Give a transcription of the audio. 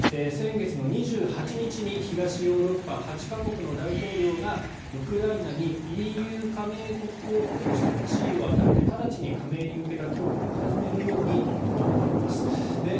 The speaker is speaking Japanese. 先月２８日に東ヨーロッパ８か国の大統領がウクライナにＥＵ加盟国候補としての地位を与えて直ちに加盟に向けた協議を始めるように求めています。